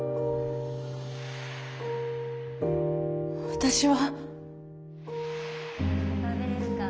私は。